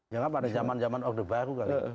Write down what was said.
jangan pada zaman zaman orde baru kali